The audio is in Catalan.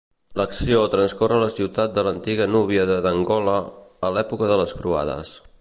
L'acció transcorre a la ciutat de l'antiga núbia de Dongola, a l'època de les Croades.